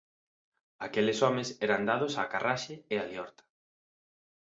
Aqueles homes eran dados á carraxe e á liorta.